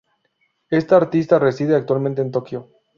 Esta artista reside actualmente en Tokio.